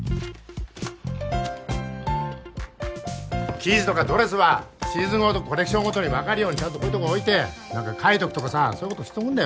生地とかドレスはシーズンごとコレクションごとに分かるようにちゃんとこういうとこ置いて何か書いとくとかさそういうことしとくんだよ